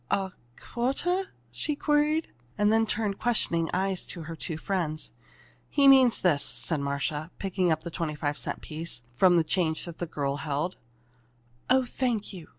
"A quarter?" she queried, and turned questioning eyes to her two friends. "He means this," said Marcia, picking out a twenty five cent piece from the change the girl held. "Oh, thank you!